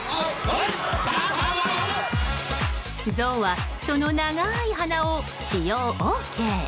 ゾウはその長い鼻を使用ＯＫ。